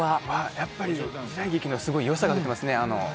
やっぱり時代劇のよさが出ていますね。